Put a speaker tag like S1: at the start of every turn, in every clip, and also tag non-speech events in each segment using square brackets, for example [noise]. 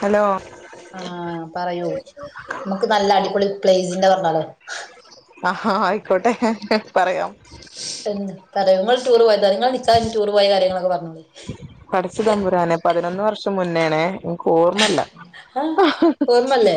S1: Hello
S2: ആഹ പറയൂ നമുക്ക് നല്ല അടിപൊളി പ്ലേസിന്റെ പറഞ്ഞാലോ
S1: ആഹഹാ ആയിക്കോട്ടെ പറയാം
S2: എ തങ്ങൾ ടൂർ പോയ തൾ നി ടൂർ പോയ കാര്യങ്ങളൊക്കെ പറഞ്ഞു
S1: പടച്ച തമ്പുരാനെ പതിനൊന്ന് വർഷം മുന്നേണ ഓർമ്മല്ല
S2: ആഹ് ഓർമ്മല്ലേ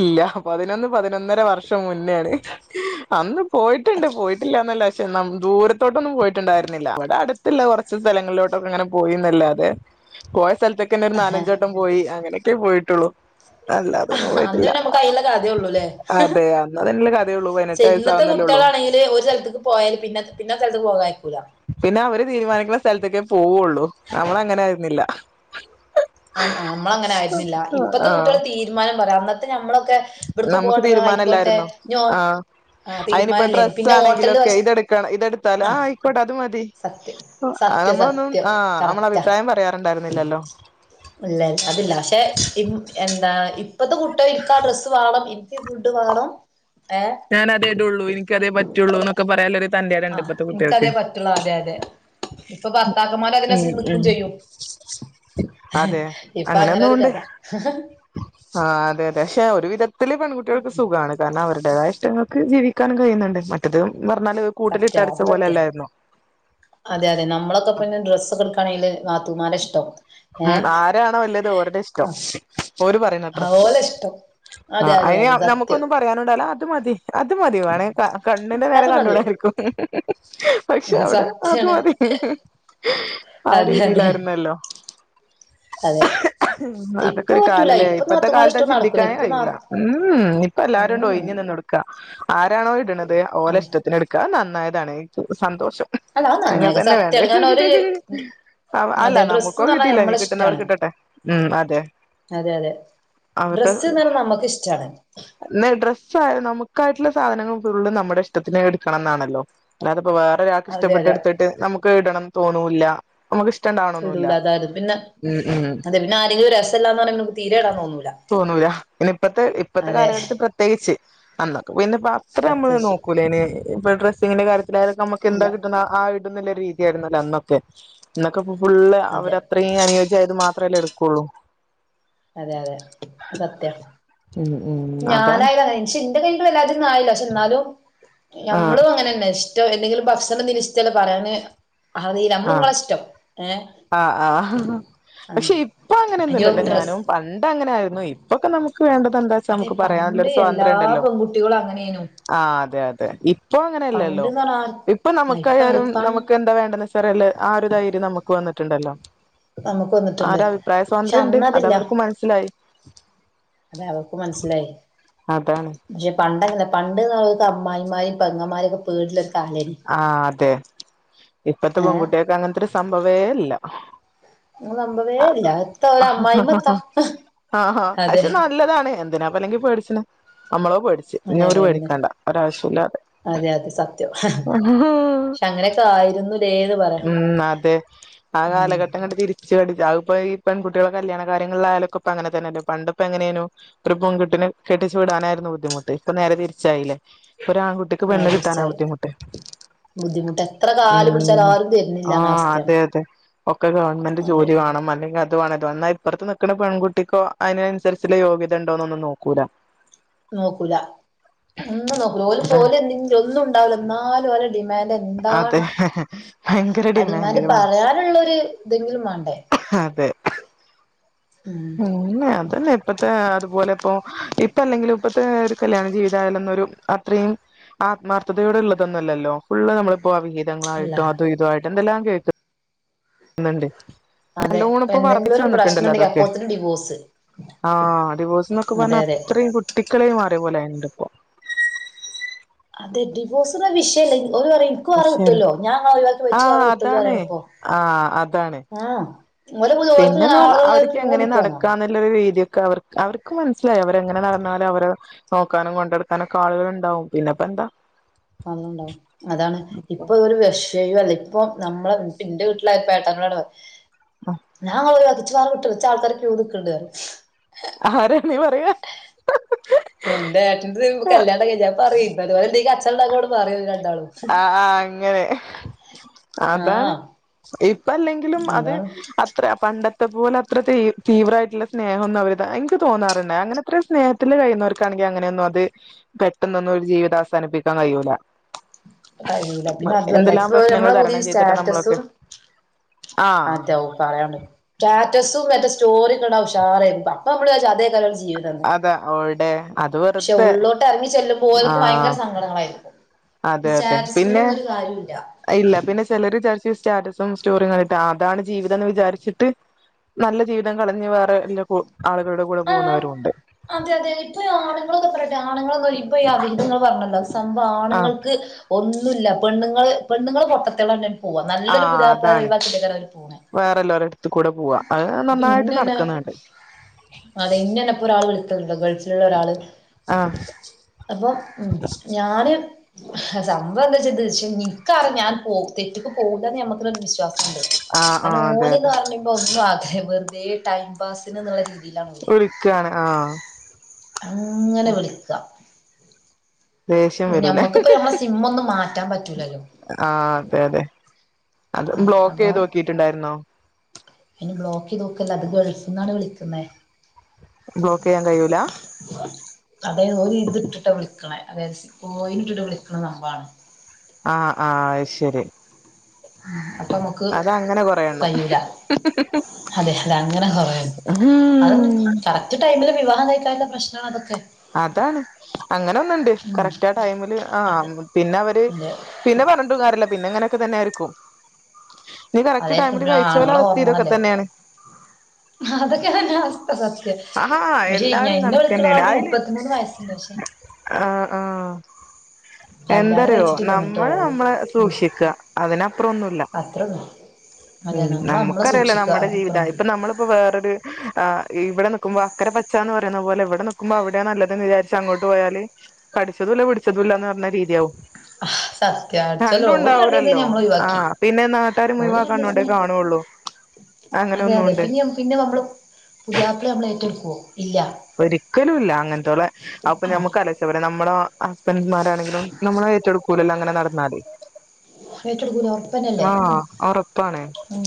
S1: ഇല്ല പതിനൊന്ന് പതിനൊന്നര വർഷം മുന്നോണ് അന്ന് പോയിട്ടുണ്ട്
S2: അത്ര
S1: പോയിട്ടില്ലന്നല്ല പക്ഷെ ദൂരത്തോട്ടൊന്നും പോയിട്ടുണ്ടായിരുന്നില്ല അവിടെ അടുത്തില്ല കുറച്ച് സ്ഥലങ്ങളിലോട്ട് അങ്ങനെ പോയില്ലാതെ പോയ സ്ഥലത്തൊക്കെന്നെ ഒരു
S2: ആഹാ
S1: നാലഞ്ചോട്ടം പോയി അങ്ങനെയൊക്കെ പോയിട്ട് ട്ടുള്ള അല്ല അതൊന്നും
S2: അന്ന്
S1: പോയിട്ടില്ല
S2: പിന്നെ നമുക്ക് അയിനുള്ള കഥയേ ഉള്ളൂല്ലേ
S1: അതെ അന്ന്തന്നേ കഥയള്ളൂ പതിനെട്ട് വയസ്സ ആാവുന്നല്ലേ ഉള്ളൂ
S2: ണെങ്കിൽ ഒരു സ്ലക്ക് പോയാലല് പിെ പിന്നെ സ്ലക്ക് പോകാ
S1: പിന്നെ അവര് തീരുമാനിക്കുന്ന സ്ഥലത്തേക്കേ പോവുള്ളൂ നമ്മള അങ്ങനെ ആയിരുന്നില്ല
S2: നമ്മള അങ്ങനെ ആയിരുന്നില്ല ഇപ്പത്തെ
S1: ആഹ്
S2: കുട്ടികൾ തീരുമാനം പറയാ അന്നത്തെ നമ്മ ക്കെ ഇവിടക്ക്
S1: നമുക്ക്
S2: പോട ആയിക്കോട്ടെ
S1: തീരുമാനല്ലായിരുന്നോ
S2: ഞോ
S1: ആഹ്
S2: ആ
S1: അയിനിപ്പോ
S2: തീരുമാനല്ലേ
S1: ഡ്രസ്സ്
S2: പിന്നെ ഹോട്ടല
S1: ആണെങ്കിലൊക്കെ ഇതെടുക്കണം ഇതെടുത്താലോ
S2: ആ
S1: ആഹ് ആയിക്കോട്ടെ അത് മതി
S2: സത്യം
S1: ആഹ്
S2: സത്യം
S1: നമ്മളൊന്നും
S2: സത്യം
S1: ആഹ് നമ്മള
S2: കറക്റ്റ്ാ
S1: അഭിപ്രായം പറയാറുണ്ടായിരുന്നില്ലല്ലോ
S2: ഇല്ല അതില്ല പക്ഷെ എന്താ ഇപ്പഴത്തെ കുട്ടിക എനിിക്ക ആ ഡ്രസ്സ് വേണം എനിക്ക് ഫുഡ് വേണം ഏ
S1: ഞാൻ അതേടുയള്ളൂ എനിക്ക അതേ പറ്റയുള്ളൂ എന്നൊക്കെ പറയാല്ല
S2: ആഹ് എനക്ക്തേ പറ്റുള്ളൂ അതെ അതെ ഇപ്പൊ ഭർത്താക്കന്മാരെ അതിന
S1: ഉം ഉം
S2: നിക്കയും ചെയ്യും ഇപ്പൊ അങ്ങനെ ഒരു കഥ
S1: ആഹ അതെ അതെ പക്ഷെ ഒരു വിധത്തില് പെൺകുട്ടികൾക്ക് സുഖമാണ് കാരണം അവരുടെേതഷ്ടങ്ങൾക്ക് ജീവിക്കാൻ കഴിയുന്നുണ്ട് മറ്റത പറഞ്ഞാല് കൂട്ടില
S2: സത്യ
S1: ഇട്ടടച്ച
S2: അത് സത്യ
S1: പോലെല്ലായിരുന്നുോ
S2: അതെ അതെ നമ്മളൊക്കെ പിന്നെ ഡ്രസ്സ്െടുക്കയാണെങ്കില് മാാത്തുമാരെ ഇഷ്ടം ഏ
S1: ഉം ആരാണോ വലിയത് ഓരുടെ ഇഷ്ടം
S2: ആ
S1: ഓര് പറയുന്നട്ര
S2: ഓലെ ഇഷ്ടം
S1: ആ
S2: അതെ അതെ
S1: അതിന്
S2: അതെ സത്യം
S1: നമുക്കൊന്നും പറയാനുണ്ടാവുല്ല അത് മതി അത് മതി കണ്ണിന്റെ നേരെ
S2: അത്
S1: കണ്ടൂട.
S2: മതിയോ
S1: ആക്ക [inaudible] പക്ഷെ അവിടെ അത്
S2: സത്യാണ്
S1: മതി ആ
S2: അതെ അതെ
S1: രീതിയിലായിരുന്നല്ലോ.
S2: അതെ
S1: അതൊക്കെ
S2: ഇപ്പൊ
S1: ഒരു
S2: പറ്റൂല
S1: കാലല്ലേ
S2: ഇപ്പൊ
S1: ഇപ്പത്തെ
S2: നാത്തൂമാരെ
S1: കാലത്ത്
S2: ഇഷ്ടം നടക്കൂല
S1: ചിന്തിക്കാനേ
S2: ഇപ്പൊ നാ
S1: കയൂല്ല ഉം ഇപ്പ എല്ലാരുംണ്ടൊയി
S2: ഉം
S1: ആരാണോ ഇടുന്നത് ഓലെ
S2: അത്
S1: ഇഷ്ടത്തിന് എടുക്ക അത് നന്നായതാണ് സന്തോഷം.
S2: അല്ല അത്
S1: അങ്ങനെ
S2: നന്നായേക്കും
S1: തന്നെ വേണ്ടേ
S2: സത്യാണ് കാരണം ഒരു
S1: അല്ല
S2: അതെ
S1: നമുക്കൊ
S2: ഡ്രസ്സ്ന്ന് പറഞ്ഞാ
S1: കിട്ടില്ല ഞ്ഞി
S2: നമ്മളെ ഇഷ്ടാണ്
S1: കിട്ടുന്നവർക് കിട്ടട്ടെ ഉം അതെ
S2: അതെ അതെ
S1: അവരുടെ
S2: ഡ്രസ്സ്ന്ന് പറഞ്ഞാ നമ്മക്ക് ഇഷ്ടാണ്
S1: എന്ന ഡ്രസ്സായ നമുക്ക് യിട്ടുള്ള സാധനങ്ങൾ ഫുള്ള് നമ്മുടെഷ്ടത്തിന് എടുക്കണം എന്നാണല്ലോ എ ഇപ്പൊ വേറൊരാൾക്ക്
S2: അതെ അതെ
S1: ഇഷ്ടപ്പെട്ടെടുത്തിട്ട് നമുക്ക് ഇടണംന്ന് തോന്നൂല്ല നമുക്ക് ഇഷ്ടംണ്ടവണന്നൂല്ല.
S2: ഇടൂല അതായത് പിന്നെ
S1: ഉം ഉം
S2: അതെ പിന്നെ ആരെങ്കിലും രസല്ലാന്ന് പറഞ്ഞാ നമുക്ക് തീരെ ഇടാൻ തോന്നൂല
S1: തോണൂല്ല ഇനിയിപ്പത്തെ ഇപ്പോഴത്തെ
S2: അതെ
S1: കാലഘട്ടത്തിൽ പ്രത്യേകിച്ച്. നന്ന പിന്നെപ്പ അത്ര നമ്മള്
S2: പ്രത്യേകിച്ച്
S1: നോക്കൂലേനി ഇപ്പൊ ഡ്രസ്സിങ്ങിന്റെ കാര്യത്തിലായതൊക്കെ നമുക്ക്
S2: ഇല്ല
S1: എന്താ കിട്ടുന്ന ആ രീതിയായിരുന്നല്ല അന്നൊക്കെ ന്നൊക്കെ ഫുള്ള് അവർ
S2: അതെ
S1: അത്രയും അനുയോജിയായത് മാത്ര അത്രല്ലേ എടുക്കുള്ളൂ.
S2: അതെ അതെ സത്യാ
S1: ഉം ഉം അതാണ്.
S2: ഞാനായാലും അങ്ങനെ പക്ഷെ ഇന്റെ കയ്യിൽ വല്ലാതന്നും ആയില്ല പക്ഷെ എന്നാലും
S1: ആഹ്
S2: ഞമ്മളും അങ്ങനെന്നെ ഇഷ്ട എന്തെിലും ഭക്ഷണ ച്ചൽ പറയാന് അറീല്ല നമ്മള്
S1: ആഹ്
S2: ങ്ങളെ ഇഷ്ടം ഏഹ്.
S1: ആഹ് ആ
S2: ആഹ്
S1: പക്ഷെ ഇപ്പൊ അങ്ങനെ
S2: അയ്യോ
S1: ന്നുല്ലട്ട
S2: ഡ്രസ്സ്
S1: ഞാനും. പണ്ട് അങ്ങനെ ആയിരുന്നു ഇപ്പൊക്കെ നമുക്ക് വേണ്ടത എന്താ വച്ചാ
S2: അതെ
S1: നമുക്ക് പറയാ
S2: പണ്ട്
S1: നല്ലൊരു
S2: എല്ലാ
S1: സ്വാതന്ത്രം ഉണ്ടല്ലോ.
S2: പെൺകുട്ടികളും അങ്ങനെനു
S1: ആ അതെ അതെ ഇപ്പൊ അങ്ങനെയല്ലല്ലോ
S2: പണ്ട്ന്ന്
S1: ഇപ്പൊ
S2: പറഞ്ഞാ ഇപ്പ
S1: നമുക്കായാലും
S2: ഇപ്പ
S1: നമുക്ക് എന്താ വേണ്ടെന്നെക്കെ അറിയാള്ളെ ആ ഒരു ധൈര്യം നമുക്ക് വന്നിട്ടുണ്ടല്ലോ
S2: നമുക്ക്
S1: ആര
S2: വന്നിട്ടുണ്ട്
S1: അഭിപ്രായ
S2: പക്ഷെ
S1: സ്വാതന്ത്ര്യുണ്ട് അതവർക്കും മനസ്സിലായി.
S2: അത അവക്ക് മനസ്സിലായി
S1: അതാണ്
S2: പക്ഷെ പണ്ടങ്ങനെ പണ്ട് അവക്ക് അമ്മായിമരും പെങ്ങന്മാരൊക്കെ പേടിള്ള ഒരു കാലേനി
S1: ആഹ അതെ ഇപ്പത്തെ
S2: ഏ
S1: പെൺകുട്ടിയേക് അങ്ങനത്തെരു സംഭവേല്ല.
S2: അ നമ്പവേല്ല എത്താ ഒരു അമ്മായിമ്മ എത്താ
S1: ആഹഹാ
S2: അതെ
S1: പക്ഷെ നല്ലതാണ് എന്തിനാപ്പല്ലെങ്കി പേടിച്ണ്. പേടിച്ചു
S2: അതെ
S1: ഇഞ്ഞിഓര്
S2: അതെ എന്ത
S1: പേടിക്കണ്ട ഒരാവശ്യില്ലാതെ.
S2: അതെ അതെ സത്യം
S1: ആഹ
S2: പക്ഷെ
S1: [unintelligible]
S2: അങ്ങനെയൊക്കെ ആയിരുന്നുല്ലേന്ന് പറയാ
S1: ഉം അതെ ആ
S2: ഉം
S1: കാലഘട്ട ങ്ങട്ട് തിരിച്ച് പടി ആ ഇപ്പ ഈ പെൺകട്ടികള കല്യാണ കാര്യങ്ങളിലായാലൊക്കെ ഇ അങ്ങനെ തന്നെയല്ലേ പണ്ടിപ്പോ എങ്ങനനു ഒരു പെങ്കുട്ടിനേ കെട്ടിച് ഇടാനായിരുന്നു ബുദ്ധിമുട്ട് ഇപ്പ നേരെ തിരിച്ചായില്ലേ? ഒരാൺകുട്ടിക്ക്
S2: നേരെ
S1: പെണ്ണ് കിട്ടാനാ
S2: തിരിച്ചായി
S1: ബുദ്ധിമുട്ട്
S2: ബുദ്ധിമുട്ട് എത്ര കാല് പിടിച്ചാലും
S1: ഉം.
S2: ആരും
S1: ആ
S2: തരുന്നില്ലന്ന അവസ്ഥയാണ്
S1: അതെ അതെ ഒക്കെ ഗവൺമെന്റ്
S2: അതെ
S1: ജോലി വേണം അല്ലെങ്കിൽഅത് അ എന്നാൽ ഇപ്പുറത്ത് നിക്കുന്ന പെൺകുട്ടിക്കോ അതിനനുസരിച്ചുള്ള യോഗ്യത ഉണ്ടോന്നൊന്നു നോക്കൂല.
S2: നോക്കൂല ഒന്നും നോക്കൂല
S1: അതാണ്
S2: ഒരുപോല്ലേ ഒന്നും ഉണ്ടാവില്ല എന്നാലും പോല ഡിമാൻഡ്
S1: അതെ
S2: എന്താണ്
S1: ഭയങ്കര
S2: ആ ഡിമാൻഡ്
S1: ഡിമാൻഡുകളാണ്
S2: പറയാനുള്ള ഒരു ഇതെങ്കിലും വേണ്ടേ?
S1: അതെ ഉം അതന്നെ ഇപ്പത്തെ അതുപോലെ ഇപ്പൊ. ഇപ്പ അല്ലെങ്കിലിൽ ഇപ്പത്തെ ഒരു കല്യാണ ജീവിതമായാലെന്നൊരു അത്രയും ആത്മാർത്ഥതയോടെ ഉള്ളതൊന്നല്ലോ ഫുള് നമ്മ അപ്പ അവിഹിതങ്ങളയിട്ടും
S2: അല്ലല്ല
S1: അതും ഇതും ആയിട്ടും എന്തല്ലാം കേൾക്ക ഇന്ന്ണ്ട്
S2: അതെ എന്തെങ്കിലും ഒരു പ്രശ്നണ്ടെങ്കിൽ
S1: അതൊക്കെ
S2: അപ്പോത്തിനും ഡിവോഴ്സ്.
S1: ആഹ് ഡിവോഴ്സ് എന്നൊക്കെ
S2: അതെ
S1: പറഞ്ഞാ
S2: അതെ
S1: അത്രയും കുട്ടികളിയായി മാറിയപോലെ ആയിണ്ട്. ഇപ്പോ
S2: അതെ ഡി ഡിവോഴ്സ് വിഷയമല്ല എനിക്കു വേറെ
S1: പക്ഷേ
S2: കിട്ടൂല്ലോ ഞാൻ ഒഴവാക്ക വെച്ച്
S1: ആഹ്
S2: വറെ
S1: അതാണ്
S2: കിട്ടല്ലോറിയാണ് പ്പൊ.
S1: ആഹ് അതാണ്
S2: ആ
S1: പിന്നെന്ന് പറഞ്ഞ അവർക്കെങ്ങെനെ
S2: നിക്കാണോ
S1: നടക്കാന്നുള്ളരു രീതി അവർക്ക് മനസ്സിലായി അവരെങ്ങനെ നടന്നാലും അവരെ നോക്കാനും കൊണ്ടെടുക്കാനൊക്കെ ആളുകൾ ഉണ്ടാവും പിന്നെപ്പ എന്ത
S2: അന്നണ്ടാവും അതാണ് ഇപ്പൊ ഒരു വെഷയും അല്ല ഇപ്പ നമ്മളെ ന്റെ വീട്ടിലായിപ്പോട്ടങ്ങളടെ പറയു ഞാൻ വിട്ട് കൊറച്ചൾക്കാർ ക്യു നിക്ക്ണ്ട്
S1: ആഹര
S2: അല്ല എന്റെട്ടന്റെത് കല്യാണം കഴിഞ്ഞ അപ്പ അറി അതുപോലെ [inaudible] ങ്ങളോട് പറയു [inaudible]
S1: ആഅങ്ങനെ അതാണ്
S2: ആഹ്
S1: ഇപ്പല്ലെങ്കിലും അത്
S2: അതാണ്
S1: അത്ര പണ്ടത്തെ ഇത്പോല അത്രതീവ്രായിട്ടുള്ള സ്നേഹൊന്നും അവരു എനിക്ക് തോന്നാറുണ്ടേ അങ്ങനെ അത്ര സ്നേഹത്തിൽ കഴിയുന്നവർക്കാണ് അങ്ങനെയൊന്നും അത് പെട്ടെന്നൊന്നും ഒരു ജീവിതം അവസാനിപ്പിക്കാൻ കഴിയൂല.
S2: കഴിയൂല്ല പിന്നെ അതല്ല
S1: എന്തെല്ലാം
S2: ഇപ്പൊ
S1: പ്രശ്നങ്ങൾ
S2: മ്മളെ
S1: തരണം
S2: പുതിയ
S1: ചെയ്തിട്ട് നമ്മളൊക്കെ
S2: സ്റ്റാറ്റസും
S1: ആഹ്
S2: അതാഉ പറയാണ്ട്ന്നെ സവും മറ്റെ സ്റ്റോറി ടാൻടാനെഉഷാറായിനു അപ്പമ്മൾ വിജാച് അതെയ്ക്ക്
S1: അതാ ഓൾടെ അത്
S2: പക്ഷെ
S1: വെറുതെ
S2: ഉള്ളോട്ട് ഇറങ്ങി ചെല്ലുമ്പോ
S1: ആ
S2: ഓൽക്ക് ഭയങ്കര സങ്കടങ്ങളായിരിക്കും
S1: അതെ
S2: ഈ
S1: അതെ പിന്നെ
S2: സ്റ്റാറ്റസ്മ്മലൊന്നും ഒരു കാര്യൂല്ല
S1: ഇല്ല പിന്നെ ചെലര് വിചാരിച്ചു സ്റ്റാറ്റസും സ്റ്റോറിയുംകണ്ടിട്ട് ആ അതാണ് ജീവിതംന്ന് വിചാരിച്ചിട്ട് നല്ല ജീവിതം കളഞ്ഞു റെല്ല ആളുകളുടെ കൂടെ
S2: ആഹ്
S1: പോകുന്നവരുംണ്ട്
S2: അതെ അതെ ഇപ്പൊ ആണുങ്ങളൊക്കെ പറയട്ടെ ആണുങ്ങളൊന്നും ഇപ്പൊ ഈ അവിഹിതങ്ങൾ പറഞ്ഞല്ലോ സംഭവ
S1: ആഹ്
S2: ആണുങ്ങൾക്ക് ഒന്നുല്ല പെണ്ണുങ്ങൾ പെണ്ണുങ്ങൾ പൊട്ട
S1: ആ അതാണ്
S2: അവര് പോണെ
S1: വേറെള്ളോരടുത്ത് കൂടെ പോവാ അത്
S2: അപ്പൊ
S1: നന്നായിട്ട്
S2: ഇന്നന്നെ
S1: നടക്ക്ന്നുണ്ട്
S2: അതെ ഇന്നനെ ഇപ്പോ ഒരാൾ വിളത്തണ്ടോ ഗൾഫിലുള്ള ഒരാള്
S1: ആഹ്
S2: അപ്പം ഉ ഞാന് സംഭവ എന്താെച്ചാൽ നിക്കാറ ഞാൻ പോ തെറ്റക്ക് പോകില്ലന്ന് ഞമുക്കൊ വിശ്വാസം
S1: ആഹ്
S2: അതിന്
S1: ആഹ് അതെ
S2: ഓൻ
S1: അതെ
S2: കാരണം ഇപ്പോ ഒന്ന് ആഗ്രഹം വെറുതെ ടൈം പാസ്ന്ന്ള്ള രീതി
S1: കുളിക്കാണ് ആ
S2: അങ്ങനെ വിളിക്കാ
S1: ദേഷ്യം വരൂലേ ഹ് ഹ്
S2: നമ്മളെ സിം ഒന്നും മാറ്റാൻ പറ്റൂലല്ലോ
S1: ഹ് ആ അതെ അതെ അത്
S2: ആഹ്
S1: ബ്ലോക്ക്
S2: അപ്പൊ
S1: എയ്ത് നോക്കിട്ടുണ്ടായിരുന്നോ
S2: അയിന് ബ്ലോക്ക് ചെയ്ത് നോക്ക് അത് ഗളുഫ്ന്നാണ് വിളിക്കുന്നേ
S1: ബ്ലോക്ക് ചെയ്യാൻ കഴിയൂല
S2: അതായത് ഒരു ഇത് ഇട്ടിട്ട വിളിക്കണേ അതായത് കോയിൽ ഇട്ടിട്ട് വിളിക്കണ നമ്പാണ്
S1: ആഹ ആഹ അയ്ശരി
S2: ആഹ
S1: അതങ്ങനെ കൊറേ എണ്ണം ഹ് ഹ് ഹ്
S2: അതെ അതെ അങ്ങനെ കുറേണ്ണം അതൊന്നും കറക്റ്റ് ടൈമില് വിവാഹം കഴിക്കാത്ത പ്രശ്നാതൊക്കെ
S1: അതാണ് അങ്ങനെ ഒന്നുണ്ട്
S2: ഉം
S1: കറക്റ്റ് ആ ടൈമില് ആ
S2: അത്
S1: പിന്നെ അവര്
S2: അതെ
S1: പിന്നെ പറഞ്ഞിട്ട് കാര്യല്ല പിന്നെ അങ്ങനൊക്കെതന്നാരിക്കും ഈ കറക്റ്റ്
S2: അതായിരിക്കും
S1: ടൈമില്
S2: പിന്നെ ആണുങ്ങളെ
S1: കഴിച്ചോലവസ്ഥതൊക്കെ
S2: ഹോർമോണല്ലേ
S1: ഇതക്കതന്നെയാണ്
S2: അതൊക്കെ തന്നെ അസ്ഥ സത്യം
S1: ആഹാ
S2: പക്ഷെ
S1: എല്ലാരും
S2: എന്നെ
S1: കണക്കന്നെയാണ്
S2: വിളിക്ക്ണ്ടാക്ക്
S1: അയിന്
S2: മുപ്പത്തി പമൂന്ന് വയസ്സുണ്ട് പക്ഷേ
S1: ആഹ് ആഹ്
S2: ഉ കല്യാണം
S1: എന്തറിയോ
S2: കഴിച്ചിട്ടില്ല ന്നിട്ടോ
S1: നമ്മള് നമ്മളെ സൂക്ഷിക്ക അതിനപ്പുറം ഒന്നുല്ല
S2: അത്രള്ളൂ
S1: ഉം നമുക്കറിയല്ലേ നമ്മുടെ ജീവിതം
S2: അതിനപ്പുറൊന്നുമില്ല
S1: ഇപ്പൊ നമ്മളിപ്പോ വേറൊര് ഇവിടെ നിക്കുമ്പോ അക്കര പച്ചന്ന് പറ ത്പോലെ വ്‌ടന്ക്കുമ്പോ അവിടാനല്ലത് വിചാരിച്ചു അങ്ങോട്ട് പോയാല് കടിച്ചതുല്ല പിടിച്ചതുല്ലാന്ന് രീതിയാവും പർഞ്ഞമാതിര്യകു
S2: സത്യ അടിച്ചല്ലോ
S1: രണ്ടും
S2: ഓല് രണ്ടീസം
S1: ഉണ്ടാവൂലല്ലോ
S2: നമ്മൾ
S1: ആ
S2: ഒഴിവാക്കി
S1: പിന്നെ നാട്ടാരു മുഴി
S2: ഓല്
S1: വൻ
S2: രണ്ടീസം
S1: കണ്ണോടെ
S2: കഴി
S1: കാണുള്ളൂ അങ്ങനെ
S2: അതെ അതെ
S1: ഒന്നുണ്ട്
S2: പിന്നെ പിന്നെ നമ്മള് പുതിയാപ്ല നമ്മളെ ഏറ്റെടുക്കുവോ? ഇല്ല
S1: ഒരിക്കലും ഇല്ല അങ്ങനത്തോളെ അപ്പൊ
S2: ആഹ്
S1: ഞമ്മുക്ക് ആലോയ്ച്ച പോരെ നമ്മളെ ഹസ് ബൻഡ്മാരാണെങ്കിലും നമ്മളെ ഏറ്റെടുക്കൂല്ലല്ലോ അങ്ങനെ നടന്നാല്.
S2: ഏറ്റെടുക്കൂല. ഉറപ്പന്നല്ലേ
S1: ആഹ് ഒറപ്പാണ്.
S2: ഉം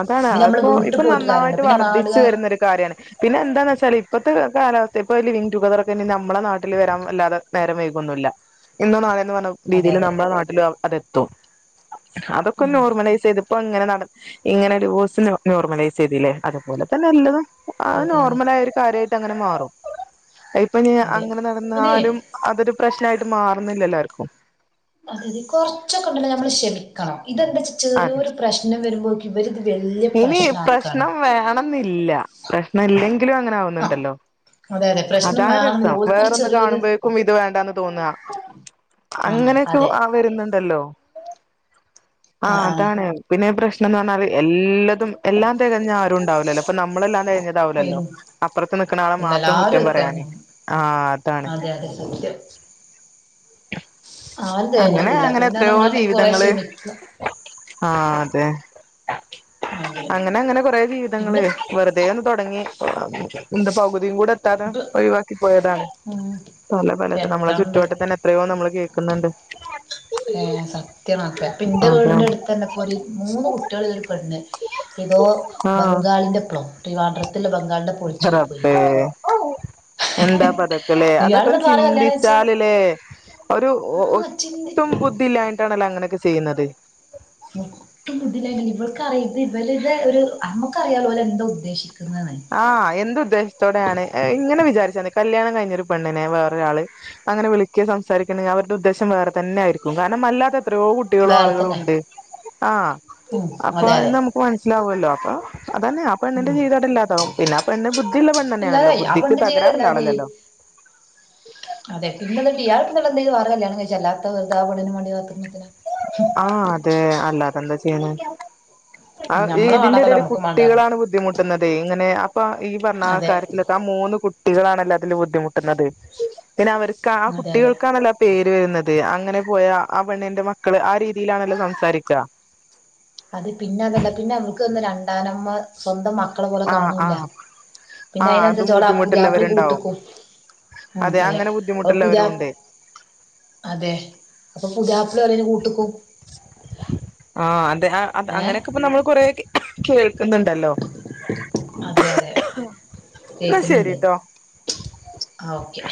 S1: അതാണ്
S2: പിന്നെ നമ്മള്
S1: അതിപ്പോ
S2: വീട്ടിൽ
S1: ഇപ്പൊ
S2: പോയിട്ട് കാര്യമുണ്ടോ
S1: നന്നായിട്ട്
S2: പിന്നെ
S1: വർദ്ധിച്ചു
S2: നാടുകാര്
S1: വരുന്നൊരു കാര്യാണ്. പിന്നെ എന്താന്ന് വെച്ചാല് ഇപ്പത്തെക്കെ കാലാവസ്ഥ ഇപ്പ ലി വിൻ ടുഗതർറൊക്കെനി നമ്മളെ നാട്ടില് വരാൻ വല്ലാതെ നേരം വൈകൊന്നുല്ല. ഇന്നോ നാളെ ന്ന് പറഞ്ഞ
S2: അതെ
S1: രീതില്
S2: അതെ
S1: നമ്മളെ നാട്ടിലും അതെത്തും. അതൊക്കെ
S2: ഉം
S1: നോർമലൈസ് ചെയ്ത് ഇപ്പൊ ഇങ്ങനെ നട ഇങ്ങനെ ഡിവോഴ്സ് നോർമലൈസ് ചെയ്തില്ലേ? അതുപോലെ തന്നെ എല്ലതും. ആ
S2: അതെ അതെ
S1: നോർമലായ ഒരു കാര്യായിട്ട് അങ്ങനെ മാറും. അയിപ്പൊ
S2: അതെ അതെ
S1: അങ്ങനെ നടന്നാലും
S2: അതെ
S1: അതൊരു പ്രശ്നമായിട്ട് മാറുന്നില്ലല്ലോ ആർക്കും.
S2: അതെ അതെ കൊറച്ചൊക്കണ്ടല്ലോ നമ്മൾ ക്ഷമിക്കണം. ഇതെന്താച്ചാ
S1: അതെ
S2: ചെറിയോരു പ്രശ്നം വരുമ്പോക്ക് ഇവര്
S1: ഇനി പ്രശ്നം വേണന്നില്ല. പ്രശ്നം ഇല്ലെങ്കിലും അങ്ങനെ
S2: ആഹ്
S1: ആവുന്നുണ്ടല്ലോ.
S2: അതെ അതെ പ്രശ്നം
S1: അതാണ്
S2: വേണെന്നില്ല
S1: രസം
S2: ഓൽക്കൊരു
S1: വേറൊന്ന്
S2: ചെറിയൊരു
S1: കാണുമ്പോഴേക്കും ഇത് വേണ്ടാന്ന് തോന്ന.
S2: ആഹ്
S1: അങ്ങനെയൊക്കെ
S2: അതെ
S1: ആ വരുന്നുണ്ടല്ലോ. ആഹ് അതാണ് പിന്നെ പ്രശ്നംന്ന് പറഞ്ഞാല് ല്ലതും എല്ലാം തികഞ്ഞ ആരുംണ്ടാവില്ലല്ലോ. അപ്പ നമ്മളെല്ലാം തികഞ്ഞതാവില്ലല്ലോ
S2: വരും
S1: അപ്പറത്ത് നിക്കുന്ന ആളെ മാത്രം
S2: എല്ലാരും
S1: കുറ്റം
S2: അത്
S1: പറയാന്.
S2: തന്നെയാ
S1: ആഹ് അതാണ്.
S2: അതെ അതെ സത്യം ആരും
S1: അങ്ങനെ
S2: തികഞ്ഞോലില്ല
S1: അങ്ങനെ
S2: പിന്നെ
S1: എത്രയോ
S2: നിങ്ങള് കൊറേ
S1: ജീവിതങ്ങള്
S2: ക്ഷമിക്ക
S1: ആ അതെ
S2: അതെ
S1: അങ്ങനെ അങ്ങനെ കൊറേ
S2: പിന്നെ
S1: ജീവിതങ്ങള് വെറുതെ ഒന്ന് തുടങ്ങി എന്താ പകുതി തികൂ [unintelligible] ടെ എത്താതെ
S2: ഇത്
S1: ഒഴിവാക്കിപ്പോയതാണ്.
S2: ഉം
S1: പല പലതും നമ്മളെ
S2: എത്താണ്ട്
S1: ചുറ്റുവട്ടതന്നെ എത്ര പ്പൊ നമ്മള് കേക്കുന്നുണ്ട്.
S2: ഏഹ് സത്യാണതൊക്കെ. പ്പൊ ന്റെ വീടിന്റെ
S1: അതാണ്
S2: അടുത്തന്നെ പ്പൊ ഒര് മൂന്ന് കുട്ട്യേള്ള്ളൊര് പെണ്ണ് ഇതോ
S1: ആഹ്
S2: ബംഗാളിന്റെ പ്ളം ത്രിവാഡ്രത്
S1: റബ്ബേ എന്താ പതൊക്കെല്ലേ
S2: റിയാള്
S1: അതൊക്കെ ഒന്ന്
S2: എന്നിട്ട് ആരെ കല്യാണം കഴിച്ച്
S1: ചിന്തിച്ചാലല്ലേ ഒരു
S2: ആഹ് ചിന്തി
S1: ഒട്ടും ബുദ്ധി ഇല്ലായിട്ടാണല്ലോ അങ്ങനെയൊക്കെ ചെയ്യുന്നത്.
S2: ഒട്ടും ബുദ്ധില്ലായിട്ടല്ല ഇവൾക്കറിയ ഇത് ഇവല്ടെ ഒരു നമ്മുക്കറിയാലോ ഓല് എന്താ ഉദ്ദേശിക്ക
S1: ആഹ് എന്ത് ഉദ്ദേശത്തോടെയാണ് ഇങ്ങനെ വിചാരിച്ച കല്യാണം കഴിഞ്ഞൊരു പെണ്ണിനെ വേറൊരാൾ അങ്ങനെ വിളിക്കെ സംസാരിക്കണെങ്കിൽ അവരുടെ ഉദ്ദേശം വേറെ തന്നെ ആയിരിക്കും കാരണം അല്ലാത്ത എത്രയോ കുട്ടികളോ
S2: വേറെ
S1: ആളുകളും
S2: തന്നെ
S1: ഉണ്ട് ആഹ്
S2: ഉം
S1: അപ്പൊ
S2: അതെ അതെ
S1: അതിന്ന് നമുക്ക് മനസ്സിലാവൊല്ലോ അപ്പൊ അതന്നെ ആ പെണ്ണിന്റെ
S2: ഉം
S1: ജീവിതതില്ലാ താകും പിന്നെ ആ പെണ്ണ് ബുദ്ധിയിള്ള പെണ്ണെന്നെണല്ലോ
S2: ഇല്ലാതായി ആ
S1: ബുദ്ധിക്ക്
S2: പെണ്ണിന്റെ ജീവിതം
S1: തകരാറില്ല
S2: ഇല്ലാതെയായി
S1: ആളല്ലല്ലോ
S2: അതെ പിന്നെത് [inaudible] വേറെ കല്യാണം കഴിച്ചല്ലാത്ത [unintelligible]
S1: ആഹ് അതെ അല്ലാതെന്താ ചെയ്യണ് ആ
S2: ഞമ്മളെ
S1: ഇതിന്റെ
S2: വേണ്ടാത്തല്ല
S1: ഇടയിൽ
S2: നമ്മുക്കും വേണ്ടാന്ന്
S1: കുട്ടികളാണ് ബുദ്ധിമുട്ടുന്നതെയ് ഇങ്ങനെ അപ്പൊ ഈ പറഞ്ഞ
S2: അതെ
S1: കാര്യത്തിലൊക്കെ മൂന്ന് കുട്ടികളാണല്ലോ അതില് ബുദ്ധിമുട്ടുന്നത് പിന്നെ അവർക്ക് ആ
S2: അതെ അതെ
S1: കുട്ടികൾക്കാണല്ലോ ആ പേര് വരുന്നത് അങ്ങനെ പോയ ആ പെണ്ണിന്റെ മ ക്കള് ആ രീതിയിലാണല്ലോ സംസാരിക്ക
S2: അത് പിന്നെ അതല്ല പിന്നെ അവർക്ക് ഒന്ന് രണ്ടാനമ്മ സ്വന്തം മക്കളെ പോലെ
S1: ആഹ്
S2: കാണൂല്ല
S1: ആഹ്
S2: പിന്നെ
S1: ആഹ് അതും
S2: അയിനെന്ത്ച്ച ഓൾടെ പുതിയാപ്ലയും
S1: ബുദ്ധിമുട്ടുള്ളവരുണ്ടാവും
S2: കൂട്ട്ക്കും ഉം അതെ
S1: അങ്ങനെ
S2: അപ്പൊ പുതിയാ
S1: ബുദ്ധിമുട്ടുള്ളവരും ഉണ്ട്
S2: അതെ അപ്പൊ പുതിയാപ്ല ഓലീന് കൂട്ട്ക്കും
S1: ആഹ് അതെ അ അങ്ങനെയൊക്കെപ്പ നമ്മൾ കൊറേ കേൾക്കുന്നുണ്ടല്ലോ
S2: അതെ അതെ
S1: എന്നാ
S2: കേക്കുന്നുണ്ട്
S1: ശരിട്ടോ
S2: ആ ഓക്കെ